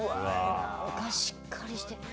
しっかりしてる。